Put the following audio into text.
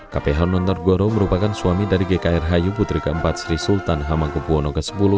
kph nonton goro merupakan suami dari gkr hayu putri keempat sri sultan hamengkubwono x